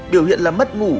biểu hiện là mất ngủ